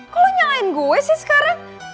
kok lo nyalain gue sih sekarang